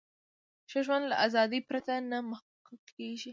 ښه ژوند له ازادۍ پرته نه محقق کیږي.